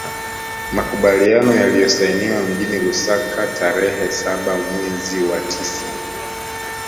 Makubaliano yaliyosainiwa mjini Lusaka tarehe saba mewrezi wa tisa